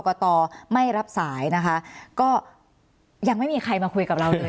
กตไม่รับสายนะคะก็ยังไม่มีใครมาคุยกับเราเลย